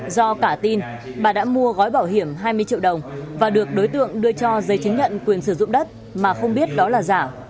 do cả tin bà đã mua gói bảo hiểm hai mươi triệu đồng và được đối tượng đưa cho giấy chứng nhận quyền sử dụng đất mà không biết đó là giả